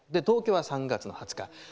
東京は３月２０日。